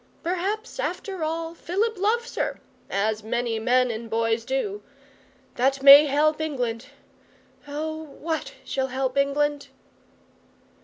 Perhaps, after all, Philip loves her as many men and boys do. That may help England. Oh, what shall help England?